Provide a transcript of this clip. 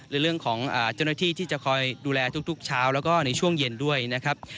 ในเรื่องของเจ้าหน้าที่ที่จะคอยดูแลทุกเช้าแล้วก็ในช่วงเย็นด้วยนะครับ